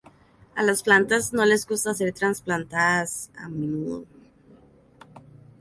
A las plantas no les gusta ser trasplantadas a menudo.